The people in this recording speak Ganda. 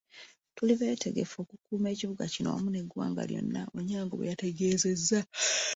"Tuli beetegefu okukuuma ekibuga kino wamu n'eggwanga lyonna," Onyango bweyategeezezza.